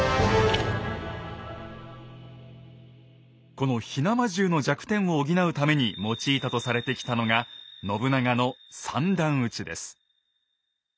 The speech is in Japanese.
この火縄銃の弱点を補うために用いたとされてきたのが信長の「三段撃ち」です。